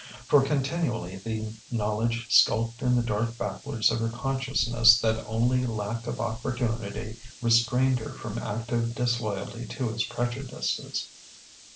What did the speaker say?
For continually the knowledge skulked in the dark backwards of her consciousness that only lack of opportunity restrained her from active disloyalty to his prejudices.